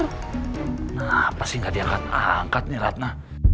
kenapa sih gak diangkat angkat nih ratna